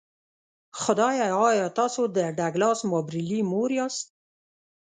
خدایه ایا تاسو د ډګلاس مابرلي مور یاست